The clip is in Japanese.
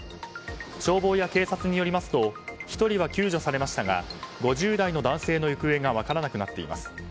消防や警察によりますと１人は救助されましたが５０代の男性の行方が分からなくなっています。